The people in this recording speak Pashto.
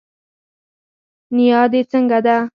نيا دي څنګه ده